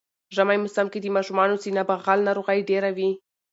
ژمی موسم کی د ماشومانو سینه بغل ناروغی ډیره وی